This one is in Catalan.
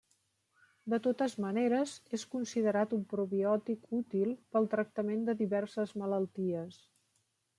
De totes maneres, és considerat un probiòtic útil pel tractament de diverses malalties.